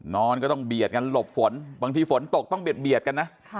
นอนก็ต้องเบียดกันหลบฝนบางทีฝนตกต้องเบียดกันนะ